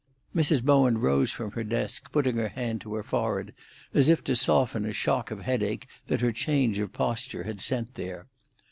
Mrs. Bowen rose from her desk, putting her hand to her forehead, as if to soften a shock of headache that her change of posture had sent there.